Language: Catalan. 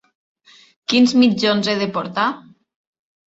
Quins mitjons he de portar?